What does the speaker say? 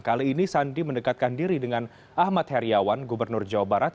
kali ini sandi mendekatkan diri dengan ahmad heriawan gubernur jawa barat